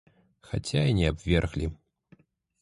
Хаця і не абверглі.